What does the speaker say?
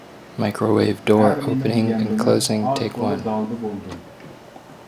ھەر نېمە دېگەنبىلەن ئاز-تولا دالدا بولدۇم.